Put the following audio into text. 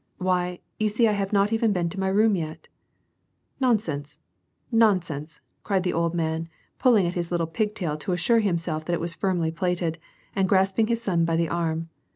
" Why, you see I have not even been to my room yet." " Nonsense, nonsense," cried the old man, pulling at his little pigtail to assure himself that it was firmly plaited, and grasping his son by the arm.